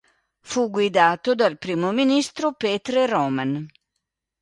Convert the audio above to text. Fu guidato dal primo ministro Petre Roman.